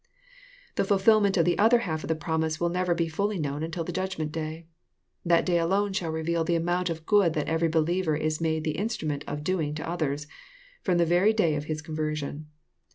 The fulfilment of the other half of the promise will never be fully known until the judgment day. That day alone shall reveal the amount of good that every believer is made the instrument of doing to others, from the very day of his conversion.